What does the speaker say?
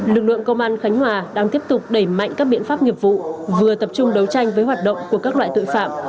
lực lượng công an khánh hòa đang tiếp tục đẩy mạnh các biện pháp nghiệp vụ vừa tập trung đấu tranh với hoạt động của các loại tội phạm